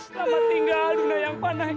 lama tinggal tinggal yang panah ini